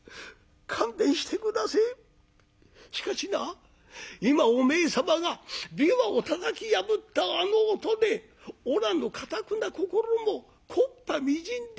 しかしな今お前様が琵琶をたたき破ったあの音でおらのかたくな心も木っ端みじんに砕けましたぞ。